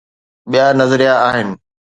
ٻيا نظريا آهن.